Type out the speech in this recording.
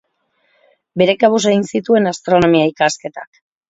Bere kabuz egin zituen astronomia-ikasketak.